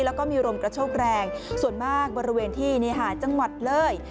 แล้วก็มีลมกระโชกแรงส่วนมากบริเวณที่จังหวัดเลย